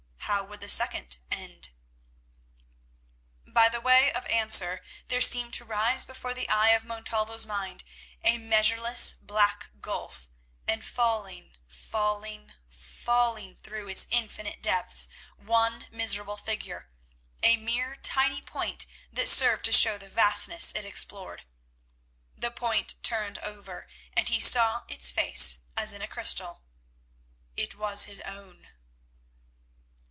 How would the second end? By way of answer there seemed to rise before the eye of Montalvo's mind a measureless black gulf, and, falling, falling, falling through its infinite depths one miserable figure, a mere tiny point that served to show the vastness it explored. The point turned over, and he saw its face as in a crystal—it was his own.